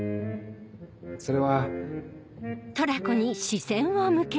それは。